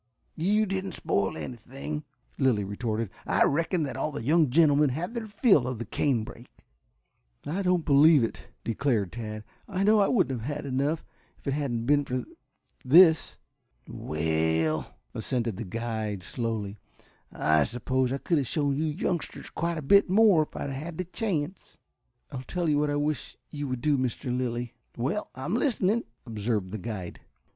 "You didn't spoil anything," Lilly retorted. "I reckon that all the young gentlemen had their fill of the canebrake." "I don't believe it," declared Tad. "I know I wouldn't have had enough, if it hadn't been for this." "Well," assented the guide slowly, "I suppose I could have shown you youngsters quite a bit more if I had had the chance." "I'll tell you what I wish you would do, Mr. Lilly." "Well, I'm listening," observed the guide.